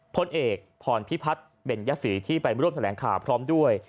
พลเอกพรพิพัฒน์เบญยศรีที่ไปร่วมแถลงข่าวพร้อมด้วย